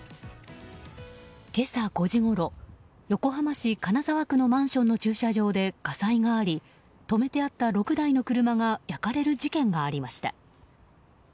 今朝５時ごろ、横浜市金沢区のマンションの駐車場で火災があり止めてあった６台の車が焼かれる事件がありました。